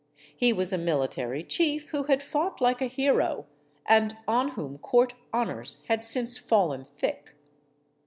He was a military chief who had fought like a hero and on whom court honors had since fallen thick.